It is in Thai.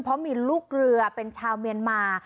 เพราะมีลูกเรือเป็นชาวเมียนมา